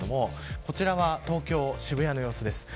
こちら東京・渋谷の様子です。